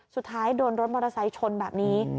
สุดท้ายโดนรถมอเตอร์ไซค์ชนแบบนี้